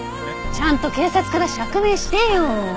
ちゃんと警察から釈明してよ！